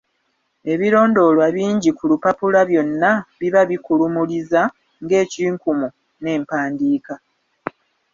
Ebirondoolwa bingi ku lupapula byonna biba bikulumuriza, ng'ekinkumu n'empandiika.